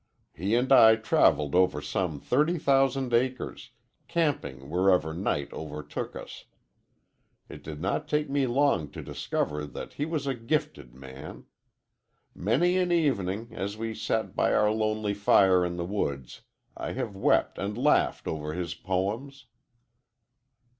He and I travelled over some thirty thousand acres, camping wherever night overtook us. It did not take me long to discover that he was a gifted man. Many an evening, as we sat by our lonely fire in the woods, I have wept and laughed over his poems."